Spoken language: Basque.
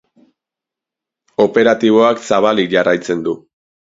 Operatiboak zabalik jarraitzen du.